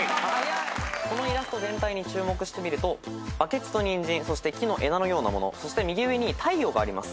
このイラスト全体に注目してみるとバケツとニンジンそして木の枝のようなものそして右上に太陽があります。